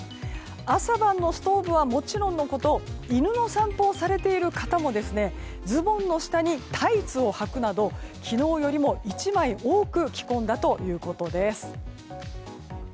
朝晩のストーブはもちろんのこと犬の散歩をされている方もズボンの下にタイツをはくなど昨日よりも１枚多く着込んだということです。